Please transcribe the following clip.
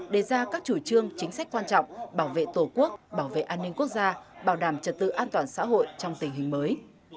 đề ra các chủ trương chính sách quan trọng bảo vệ tổ quốc bảo vệ an ninh quốc gia bảo đảm trật tự an toàn xã hội trong tình hình mới